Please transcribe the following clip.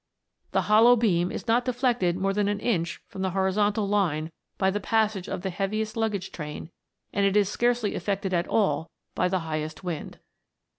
The hollow beam is not deflected more than an inch from the horizontal line by the passage of the heaviest luggage train, and it is scarcely affected at all by the highest wind.